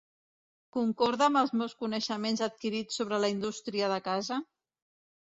Concorda amb els meus coneixements adquirits sobre la indústria de casa?